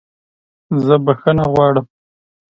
زه بخښنه غواړم!